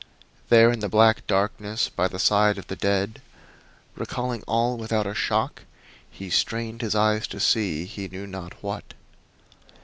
There in the black darkness by the side of the dead, recalling all without a shock, he strained his eyes to see he knew not what.